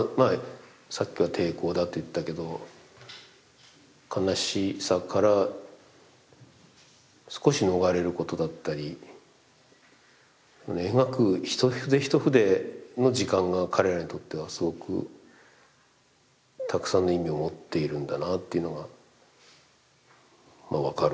さっきは抵抗だと言ったけど悲しさから少し逃れることだったり描く一筆一筆の時間が彼らにとってはすごくたくさんの意味を持っているんだなっていうのが分かる。